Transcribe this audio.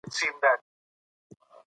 که نجونې راستنې شي نو کلی به نه وي تش.